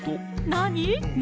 何？